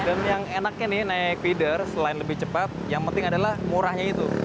dan yang enaknya nih naik feeder selain lebih cepat yang penting adalah murahnya itu